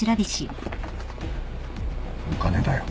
お金だよ。